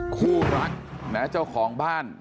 คู่รักนะเจ้าของบ้าน